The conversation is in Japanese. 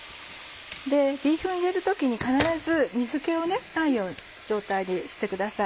ビーフン入れる時に必ず水気がない状態にしてください。